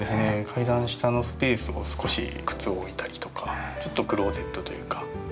階段下のスペースを少し靴を置いたりとかちょっとクローゼットというかって感じですね。